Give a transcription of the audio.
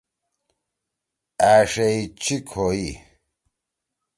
أݜیئی چیِک ہوئی۔